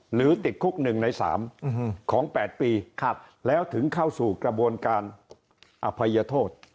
ติดคุก๑ใน๓ของ๘ปีแล้วถึงเข้าสู่กระบวนการอภัยโทษ